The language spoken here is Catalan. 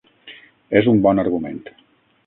És un bon argument.